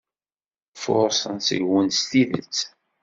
Furṣen seg-wen s tidet.